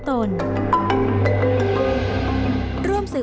พระอิริยาบทประทับไขว้พระชง